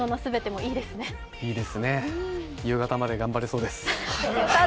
いいですね、夕方まで頑張れそうです。